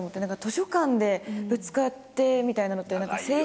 図書館でぶつかってみたいなのって。